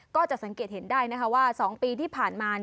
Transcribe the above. ก็จะสังเกตเห็นได้ว่า๒ปีที่ผ่านมา